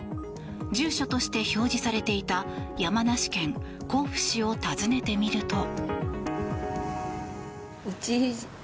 住所として表示されていた山梨県甲府市を訪ねてみると。